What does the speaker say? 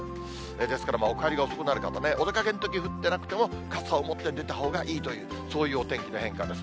ですからお帰りが遅くなる方ね、お出かけのとき降ってなくても、傘を持って出たほうがいいという、そういうお天気の変化です。